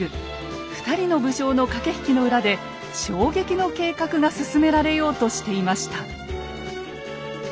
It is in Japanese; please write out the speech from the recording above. ２人の武将の駆け引きの裏で衝撃の計画が進められようとしていました。